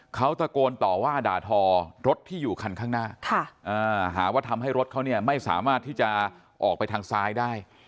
เขาตะโกนต่อว่าด่าทอรถที่อยู่คันข้างหน้าหาว่าทำให้รถเขาเนี่ยไม่สามารถที่จะออกไปทางซ้ายได้